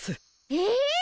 えっ！？